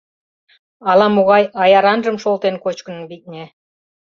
Ала-могай аяранжым шолтен кочкын, витне.